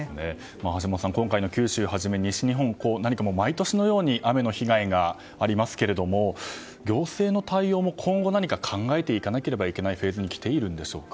橋下さん、今回の九州をはじめ西日本は毎年のように雨の被害がありますけど行政の対応も今後、何か考えていかなければならないフェーズに来ているんでしょうか。